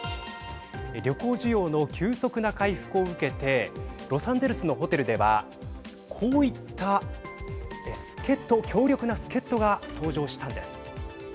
旅行需要の急速な回復を受けてロサンゼルスのホテルではこういった、助っ人強力な助っ人が登場したんです。